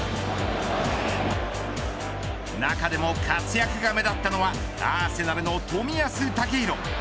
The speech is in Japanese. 中でも活躍が目立ったのはアーセナルの冨安健洋。